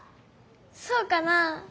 そうかなあ？